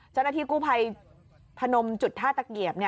เจ้าหน้าที่กู้ภัยพนมจุดท่าตะเกียบ